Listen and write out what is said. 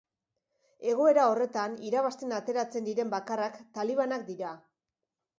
Egoera horretan, irabazten ateratzen diren bakarrak talibanak dira.